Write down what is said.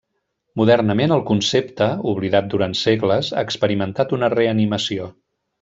Modernament el concepte, oblidat durant segles, ha experimentat una reanimació.